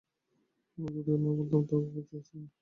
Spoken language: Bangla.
আমি যদি নাও বলতুম তাতে কিছুই আসত যেত না।